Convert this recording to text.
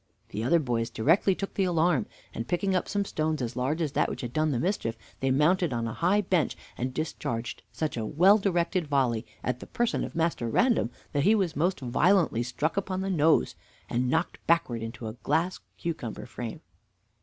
The other boys directly took the alarm, and picking up some stones as large as that which had done the mischief, they mounted on a high bench, and discharged such a well directed volley at the person of Master Random that he was most violently struck upon the nose, and knocked backwards into a glass cucumber frame.